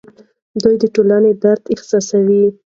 دی د ټولنې درد احساسوي.